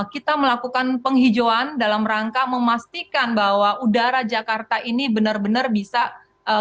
kita melakukan penghijauan dalam rangka memastikan bahwa udara jakarta ini benar benar bisa